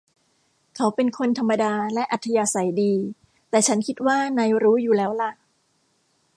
เขาเป็นคนธรรมดาและอัธยาศัยดี แต่ฉันคิดว่านายรู้อยู่แล้วล่ะ